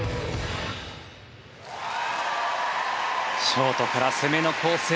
ショートから攻めの構成。